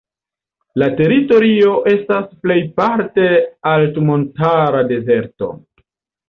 La teritorio estas plejparte altmontara dezerto.